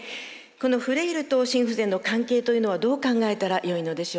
このフレイルと心不全の関係というのはどう考えたらよいのでしょうか？